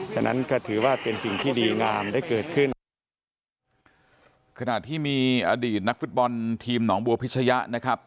ฉะนั้นก็ถือว่าเป็นสิ่งที่ดีงามได้เกิดขึ้นขณะที่มีอดีตนักฟุตบอลทีมหนองบัวพิชยะนะครับ